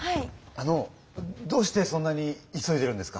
あのどうしてそんなに急いでるんですか？